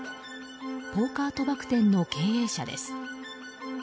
ポーカー賭博店の経営者です。